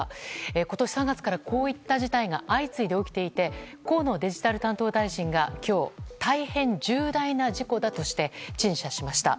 今年３月から、こういった事態が相次いで起きていて河野デジタル担当大臣が今日大変重大な事故だとして陳謝しました。